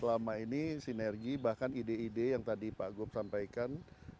selama ini sinergi bahkan ide ide yang tadi pak gup sampaikan